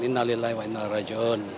innalillahi wa innal rajun